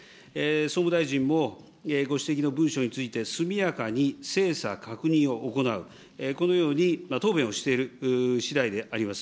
総務大臣も、ご指摘の文書について、速やかに精査、確認を行う、このように答弁をしているしだいであります。